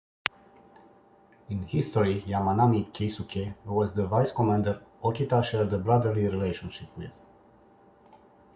In history, Yamanami Keisuke was the vice-commander Okita shared a brotherly relationship with.